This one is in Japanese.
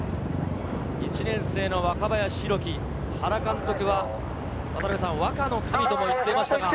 １年生の若林宏樹、原監督は若の神と言っていました。